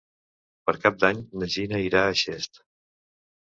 Per Cap d'Any na Gina irà a Xest.